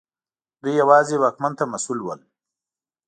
دوی یوازې واکمن ته مسوول ول.